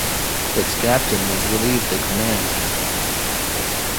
Its captain was relieved of command.